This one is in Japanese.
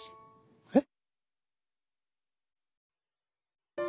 えっ。